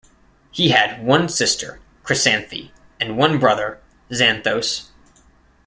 He had one sister, Chrysanthi, and one brother, Xanthos.